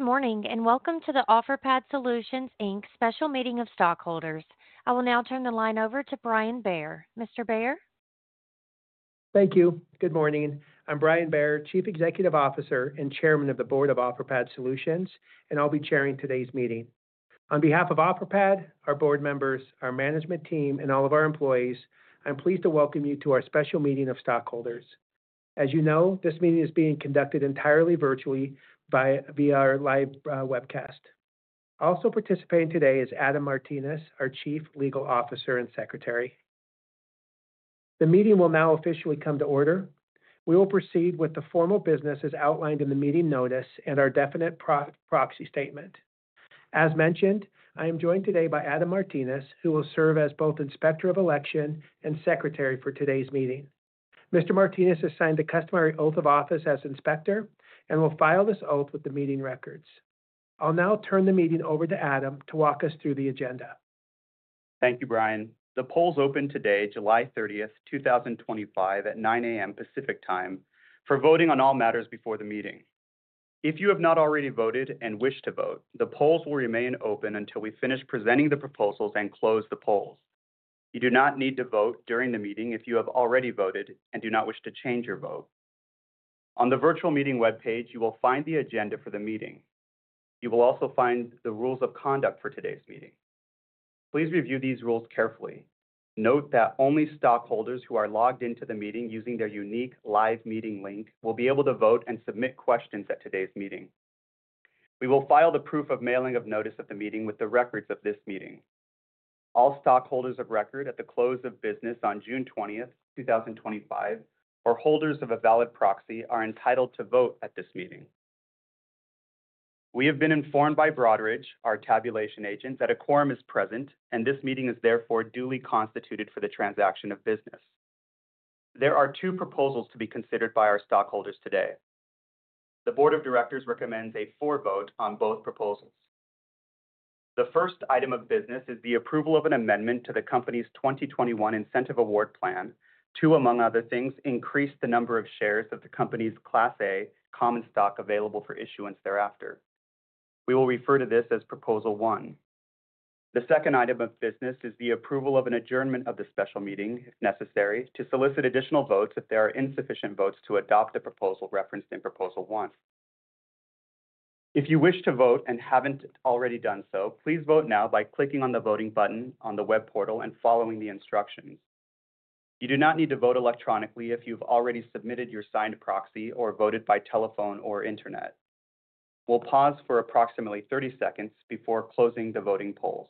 Good morning and welcome to the Offerpad Solutions Inc Special Meeting of Stockholders. I will now turn the line over to Brian Bair. Mr. Bair? Thank you. Good morning. I'm Brian Bair, Chief Executive Officer and Chairman of the Board of Offerpad Solutions, and I'll be chairing today's meeting. On behalf of Offerpad, our board members, our management team, and all of our employees, I'm pleased to welcome you to our Special Meeting of Stockholders. As you know, this meeting is being conducted entirely virtually via our live webcast. Also participating today is Adam Martinez, our Chief Legal Officer and Secretary. The meeting will now officially come to order. We will proceed with the formal business as outlined in the meeting notice and our definite proxy statement. As mentioned, I am joined today by Adam Martinez, who will serve as both Inspector of Election and Secretary for today's meeting. Mr. Martinez has signed the customary Oath of Office as Inspector and will file this oath with the meeting records. I'll now turn the meeting over to Adam to walk us through the agenda. Thank you, Brian. The polls open today, July 30th, 2025, at 9:00 A.M. Pacific Time for voting on all matters before the meeting. If you have not already voted and wish to vote, the polls will remain open until we finish presenting the proposals and close the polls. You do not need to vote during the meeting if you have already voted and do not wish to change your vote. On the virtual meeting web page, you will find the agenda for the meeting. You will also find the rules of conduct for today's meeting. Please review these rules carefully. Note that only stockholders who are logged into the meeting using their unique live meeting link will be able to vote and submit questions at today's meeting. We will file the proof of mailing of notice at the meeting with the records of this meeting. All stockholders of record at the close of business on June 20th, 2025, or holders of a valid proxy are entitled to vote at this meeting. We have been informed by Broadridge, our tabulation agent, that a quorum is present and this meeting is therefore duly constituted for the transaction of business. There are two proposals to be considered by our stockholders today. The Board of Directors recommends a for-vote on both proposals. The first item of business is the approval of an amendment to the company's 2021 Incentive Award Plan to, among other things, increase the number of shares of the company's Class A common stock available for issuance thereafter. We will refer to this as Proposal 1. The second item of business is the approval of an adjournment of the special meeting, if necessary, to solicit additional votes if there are insufficient votes to adopt the proposal referenced in Proposal 1. If you wish to vote and haven't already done so, please vote now by clicking on the voting button on the web portal and following the instructions. You do not need to vote electronically if you've already submitted your signed proxy or voted by telephone or internet. We'll pause for approximately 30 seconds before closing the voting polls.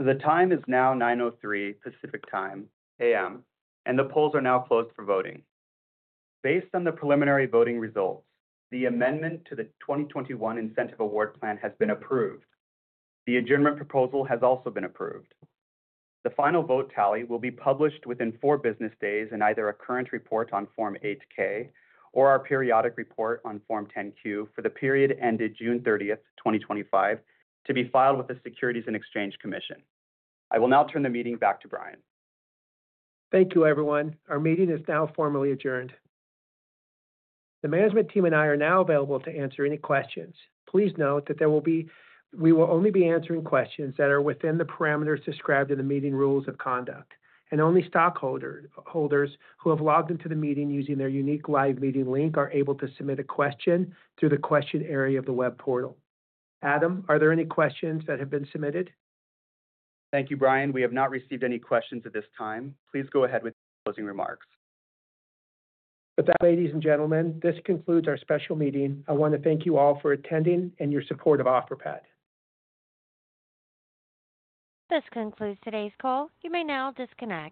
The time is now 9:03 A.M. Pacific Time, and the polls are now closed for voting. Based on the preliminary voting result, the amendment to the 2021 Incentive Award Plan has been approved. The adjournment proposal has also been approved. The final vote tally will be published within four business days in either a current report on Form 8-K or our periodic report on Form 10-Q for the period ended June 30th, 2025, to be filed with the Securities and Exchange Commission. I will now turn the meeting back to Brian. Thank you, everyone. Our meeting is now formally adjourned. The management team and I are now available to answer any questions. Please note that we will only be answering questions that are within the parameters described in the meeting rules of conduct, and only stockholders who have logged into the meeting using their unique live meeting link are able to submit a question through the question area of the web portal. Adam, are there any questions that have been submitted? Thank you, Brian. We have not received any questions at this time. Please go ahead with closing remarks. With that, ladies and gentlemen, this concludes our special meeting. I want to thank you all for attending and your support of Offerpad. This concludes today's call. You may now disconnect.